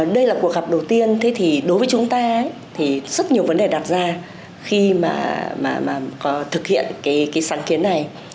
đây là cuộc gặp đầu tiên thì đối với chúng ta thì rất nhiều vấn đề đặt ra khi mà thực hiện cái sáng kiến này